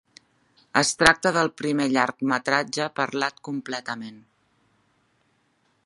Es tracta del primer llargmetratge parlat completament.